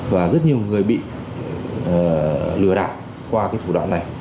và rất nhiều người bị lừa đạn qua cái thủ đoạn này